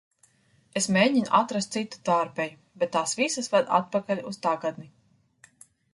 Es mēģinu atrast citu tārpeju, bet tās visas ved atpakaļ uz tagadni!